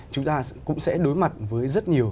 chúng ta cũng sẽ đối mặt với rất nhiều